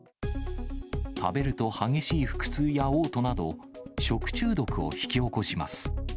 食べると激しい腹痛やおう吐など、食中毒を引き起こします。